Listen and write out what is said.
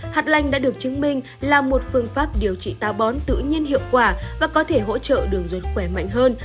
hạt lanh đã được chứng minh là một phương pháp điều trị tá bón tự nhiên hiệu quả và có thể hỗ trợ đường ruột khỏe mạnh hơn